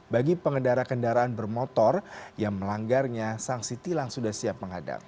bagi pengendara kendaraan bermotor yang melanggarnya sang sitilang sudah siap mengadal